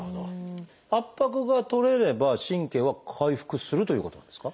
圧迫がとれれば神経は回復するということなんですか？